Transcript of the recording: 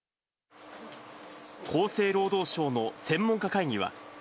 厚生労働省の専門家会議は。